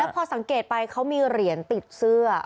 พอสังเกตไปเขามีเหรียญติดเสื้อ